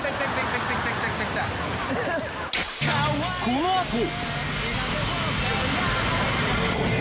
このあと！